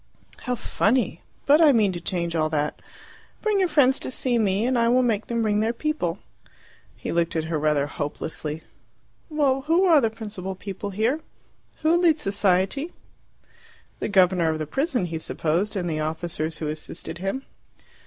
"How funny! But I mean to change all that. Bring your friends to see me, and I will make them bring their people." He looked at her rather hopelessly. "Well, who are the principal people here? Who leads society?" The governor of the prison, he supposed, and the officers who assisted him.